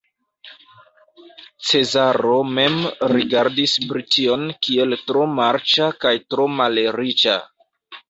Cezaro mem rigardis Brition kiel tro marĉa kaj tro malriĉa.